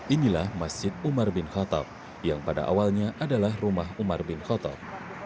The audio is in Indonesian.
inilah masjid umar bin khattab yang pada awalnya adalah rumah umar bin khotob